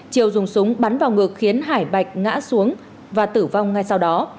triều dùng súng bắn vào ngực khiến hải bạch ngã xuống và tử vong ngay sau đó